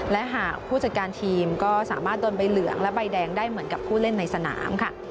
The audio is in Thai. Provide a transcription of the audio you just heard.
และหากผู้จัดการทีมก็สามารถโดนใบเหลืองและใบแดงได้เหมือนกับผู้เล่นในสนามค่ะ